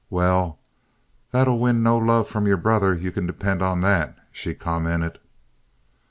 "Well, that'll win no love from your brother, ye can depend on that," she commented.